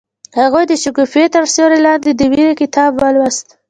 هغې د شګوفه تر سیوري لاندې د مینې کتاب ولوست.